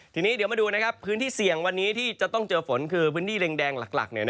ทีนี้เดี๋ยวมาดูพื้นที่เสี่ยงวันนี้ที่จะต้องเจอฝนคือพื้นที่แดงหลัก